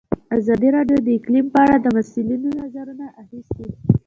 ازادي راډیو د اقلیم په اړه د مسؤلینو نظرونه اخیستي.